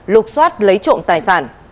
lục xoát lấy trộm tài sản